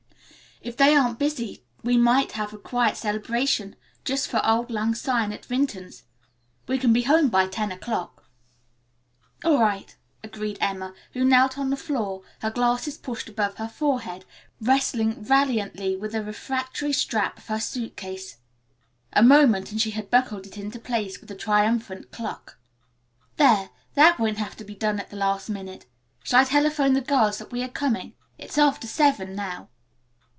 If they aren't busy we might have a quiet celebration just for auld lang syne at Vinton's. We can be home by ten o'clock." "All right," agreed Emma, who knelt on the floor, her glasses pushed above her forehead, wrestling valiantly with a refractory strap of her suit case. A moment and she had buckled it into place with a triumphant cluck. "There, that won't have to be done at the last minute. Shall I telephone the girls that we are coming? It's after seven now."